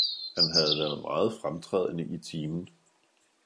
Han havde været meget fremtrædende i timen.